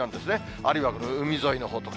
あるいは海沿いのほうとか。